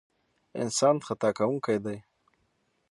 انسان خطا کوونکی دی.